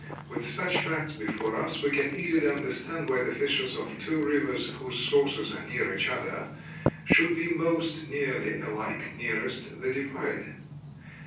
With such facts before us we can easily understand why the fishes of two rivers whose sources are near each other should be most nearly alike nearest the divide.